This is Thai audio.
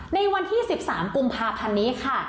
ในวันที่๑๓กุมภาพันธ์นี้ค่ะ